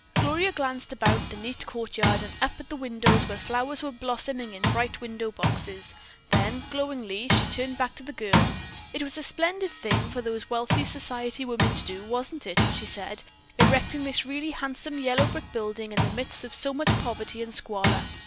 Gloria glanced about the neat courtyard and up at windows where flowers were blossoming in bright window boxes, then glowingly she turned back to the girl: "It was a splendid thing for those wealthy society women to do, wasn't it," she said, "erecting this really handsome yellow brick building in the midst of so much poverty and squalor.